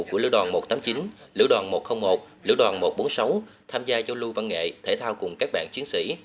của lữ đoàn một trăm tám mươi chín lữ đoàn một trăm linh một lữ đoàn một trăm bốn mươi sáu tham gia giao lưu văn nghệ thể thao cùng các bạn chiến sĩ